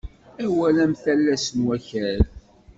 Awal am talast n wakal.